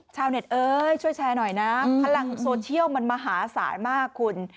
ชาวเน็ตเอ้ยช่วยแชร์หน่อยนะพลังโซเชียลมันมหาสายมากคุณ